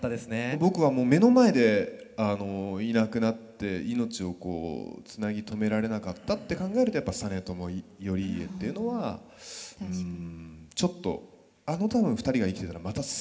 僕はもう目の前でいなくなって命をつなぎ止められなかったって考えるとやっぱ実朝頼家っていうのはんちょっとあの２人が生きてたらまたすごい変革があったと思うんですよ。